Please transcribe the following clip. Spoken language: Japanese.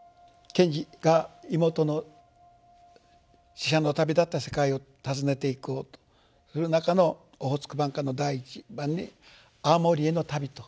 賢治が妹の死者の旅立った世界を訪ねていこうとする中の「オホーツク挽歌」の第一番に青森への旅という「青森挽歌」。